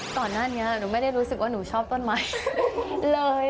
ก่อนหน้านี้หนูไม่ได้รู้สึกว่าหนูชอบต้นไม้เลย